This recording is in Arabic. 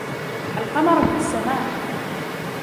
القمر في السماء.